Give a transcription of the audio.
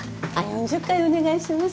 ４０階お願いします